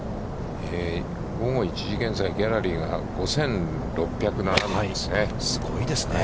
午後１時現在、ギャラリーが５６０７人ですね。